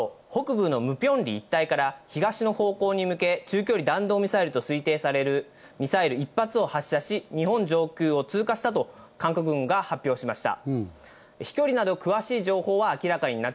北朝鮮は今日午前７時２３分頃、北部のムピョンリ一帯から東の方向に向け、中距離弾道ミサイルと推定されるミサイル１発を発射し、日本上空を通過したと韓国軍が発表しました。